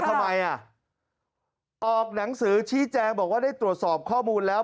ทำไมอ่ะออกหนังสือชี้แจงบอกว่าได้ตรวจสอบข้อมูลแล้ว